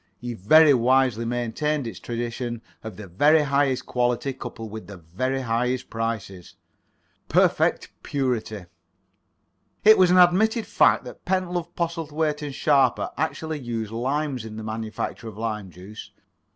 He very wisely maintained its tradition of the very highest quality coupled with the very highest prices. "Perfect Purity." It was an admitted fact that Pentlove, Postlethwaite and Sharper actually used limes in the manufacture of lime juice.